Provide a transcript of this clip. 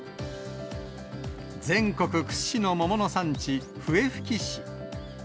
全国屈指の桃の産地、笛吹市。